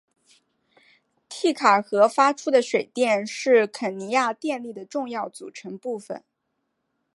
锡卡河发出的水电是肯尼亚电力的重要组成部分。